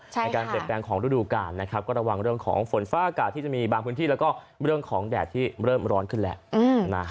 ในการเปลี่ยนแปลงของฤดูกาลนะครับก็ระวังเรื่องของฝนฟ้าอากาศที่จะมีบางพื้นที่แล้วก็เรื่องของแดดที่เริ่มร้อนขึ้นแหละ